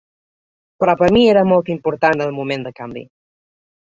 Però per mi era molt important el moment de canvi.